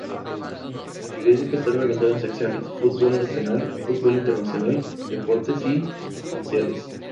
El periódico está organizado en secciones: fútbol nacional, fútbol internacional, deportes y especiales.